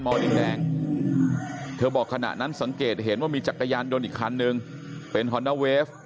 ดินแดงเธอบอกขณะนั้นสังเกตเห็นว่ามีจักรยานยนต์อีกคันนึงเป็นฮอนด้าเวฟ